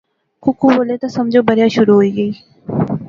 کُکو بولے تے سمجھو بریا شروع ہوئی غَئی